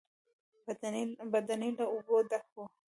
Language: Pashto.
بدنۍ له اوبو ډکه وه.